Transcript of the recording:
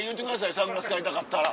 サングラス買いたかったら。